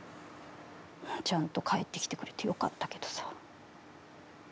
ちゃんと帰ってきてくれてよかったけどさ。